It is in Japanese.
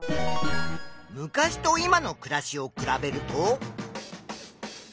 昔と今の暮らしを比べると。